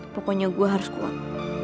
pokoknya gue harus ke uang